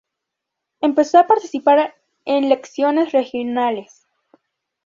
Empezó a participar en elecciones regionales.